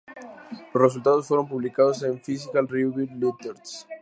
Los resultados fueron publicados en Physical Review Letters.